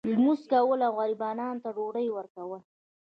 لمونځ کول او غریبانو ته ډوډۍ ورکول.